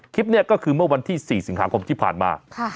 คลิปนี้ก็คือเมื่อวันที่๔สิงหาคมที่ผ่านมา